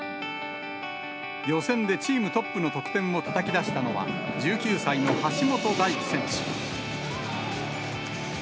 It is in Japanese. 予選でチームトップの得点をたたき出したのは、１９歳の橋本大輝選手。